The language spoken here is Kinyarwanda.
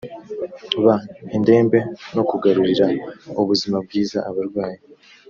b indembe no kugarurira ubuzima bwiza abarwayi